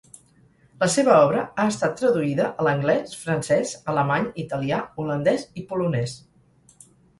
La seva obra ha estat traduïda a l'anglès, francès, alemany, italià, holandès i polonès.